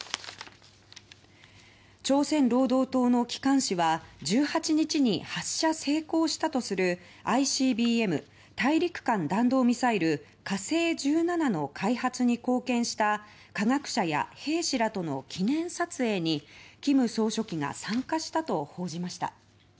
朝鮮労働党の機関紙は１８日に発射成功したとするＩＣＢＭ・大陸間弾道ミサイル「火星１７」の開発に貢献した科学者や兵士らとの記念撮影に金総書記が参加したと報じました。